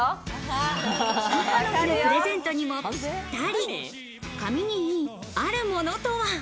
母の日のプレゼントにもぴったり、髪にいいあるものとは？